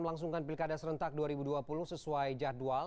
melangsungkan pilkada serentak dua ribu dua puluh sesuai jadwal